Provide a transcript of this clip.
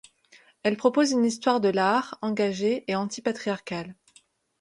Elle propose une histoire de l’art engagée et anti patriarcale.